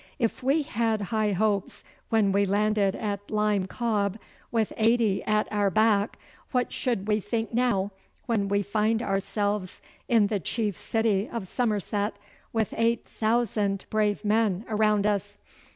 'If we had high hopes when we landed at Lyme Cobb with eighty at our back, what should we think now when we find ourselves in the chief city of Somerset with eight thousand brave men around us?